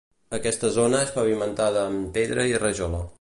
Aquesta zona és pavimentada amb pedra i rajola.